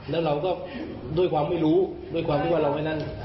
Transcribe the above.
แล้วเราก็ด้วยความไม่รู้ด้วยความที่ว่าเราไม่นั่ง